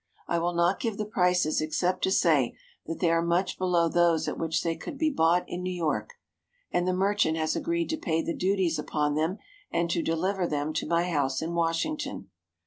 I will not give the prices except to say that they are much below those at which they could be bought in New York, and the merchant has agreed to pay the duties upon them and to deliver them to my house in Washington.